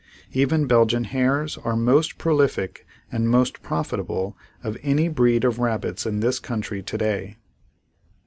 Even Belgian hares are most prolific and most profitable of any breed of rabbits in this country today.